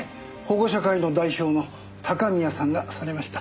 保護者会の代表の高宮さんがされました。